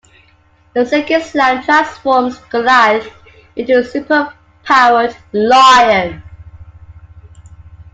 A second slam transforms Goliath into a super-powered lion.